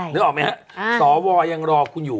นึกออกไหมฮะสวยังรอคุณอยู่